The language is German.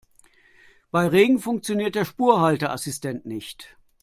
Bei Regen funktioniert der Spurhalteassistent nicht.